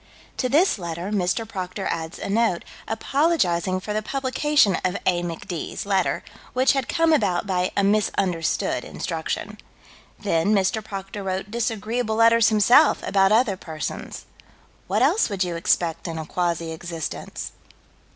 '" To this letter Mr. Proctor adds a note, apologizing for the publication of "A. Mc. D's." letter, which had come about by a misunderstood instruction. Then Mr. Proctor wrote disagreeable letters, himself, about other persons what else would you expect in a quasi existence?